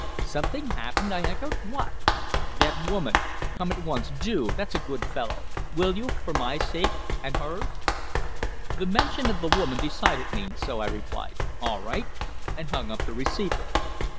"Something happened!" I echoed. "What?" "That woman. Come at once do, there's a good fellow. Will you for my sake and hers?" The mention of the woman decided me, so I replied "All right!" and hung up the receiver.